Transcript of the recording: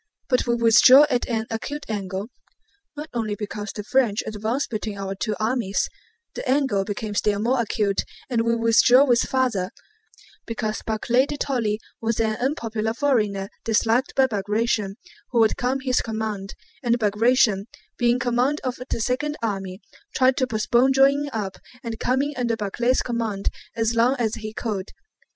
But we withdrew at an acute angle not only because the French advanced between our two armies; the angle became still more acute and we withdrew still farther, because Barclay de Tolly was an unpopular foreigner disliked by Bagratión (who would come under his command), and Bagratión—being in command of the second army—tried to postpone joining up and coming under Barclay's command as long as he could.